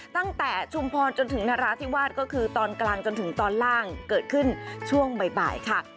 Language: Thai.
ชุมพรจนถึงนราธิวาสก็คือตอนกลางจนถึงตอนล่างเกิดขึ้นช่วงบ่ายค่ะ